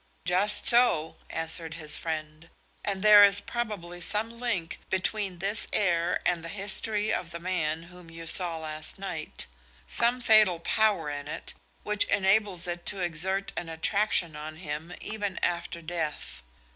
"Just so," answered his friend; "and there is probably some link between this air and the history of the man whom you saw last night; some fatal power in it which enables it to exert an attraction on him even after death.